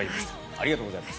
ありがとうございます。